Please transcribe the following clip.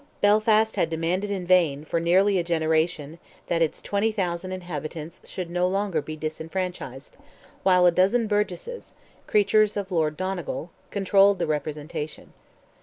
Belfast had demanded in vain, for nearly a generation, that its 20,000 inhabitants should no longer be disfranchised, while a dozen burgesses—creatures of Lord Donegal—controlled the representation.